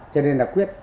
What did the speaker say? cho nên là quyết